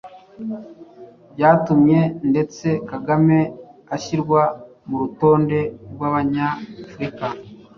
Byatumye ndetse Kagame ashyirwa mu rutonde rw’abanyafurika